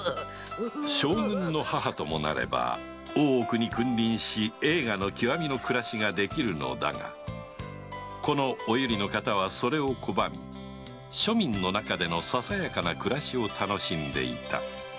将軍の母ともなれば大奥に君臨し栄華の極みの暮らしができるがこのお由利の方はそれを拒み庶民の中でのささやかな暮らしを楽しんでいた